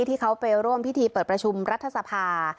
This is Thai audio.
ที่เขาไปร่วมพิธีเปิดประชุมรัฐสภา